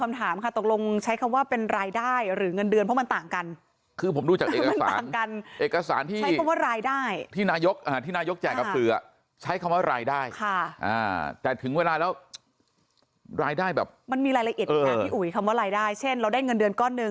อันนี้ก็เกิดคำถามค่ะตกลงใช้คำว่าเป็นรายได้หรือเงินเดือน